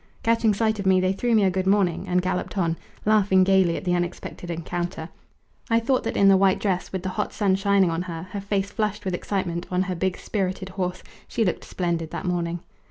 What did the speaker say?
Catching sight of me they threw me a "Good morning" and galloped on, laughing gaily at the unexpected encounter. I thought that in her white dress, with the hot sun shining on her, her face flushed with excitement, on her big spirited horse, she looked splendid that morning.